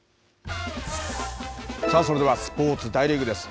それではスポーツ、大リーグです。